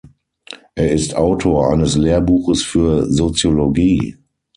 Er ist Autor eines Lehrbuches für Soziologie.